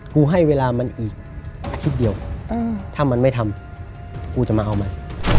กูให้เวลามันอีกอาทิตย์เดียวถ้ามันไม่ทำกูจะมาเอามัน